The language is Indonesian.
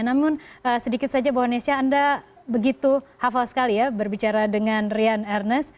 namun sedikit saja bahwa nesya anda begitu hafal sekali ya berbicara dengan rian ernest